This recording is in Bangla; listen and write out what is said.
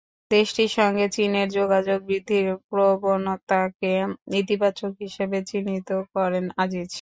দেশটির সঙ্গে চীনের যোগাযোগ বৃদ্ধির প্রবণতাকে ইতিবাচক হিসেবে চিহ্নিত করেন আজিজ।